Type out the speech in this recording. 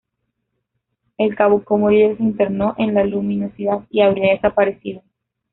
El cabo como líder se internó en la luminosidad y habría desaparecido.